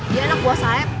dia anak buah saeb